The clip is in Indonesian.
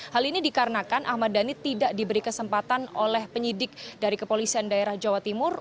hal ini dikarenakan ahmad dhani tidak diberi kesempatan oleh penyidik dari kepolisian daerah jawa timur